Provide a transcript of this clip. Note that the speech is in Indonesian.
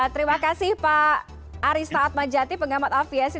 terima kasih pak arista atmajati pengamat aviasi